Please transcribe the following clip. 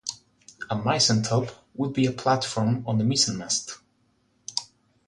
A mizen-top would be a platform on the mizenmast.